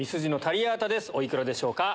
お幾らでしょうか？